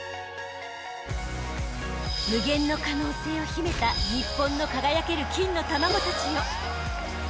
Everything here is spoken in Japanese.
［無限の可能性を秘めた日本の輝ける金の卵たちよ］